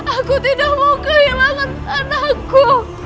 aku tidak mau kehilangan anakku